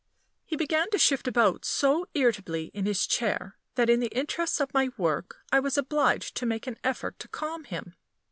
He began to shift about so irritably in his chair, that, in the interests of my work, I was obliged to make an effort to calm him.